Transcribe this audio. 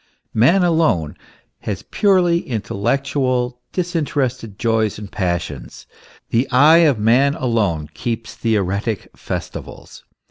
Man alone has purely intellectual, disinterested joys and passions; the eye of man alone keeps theoretic festivals.